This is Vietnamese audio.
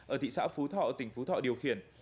ở thị xã phú thọ tỉnh phú thọ điều khiển